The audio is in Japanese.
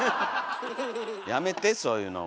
やめてそういうのもう。